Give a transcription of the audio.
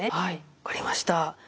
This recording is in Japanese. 分かりました。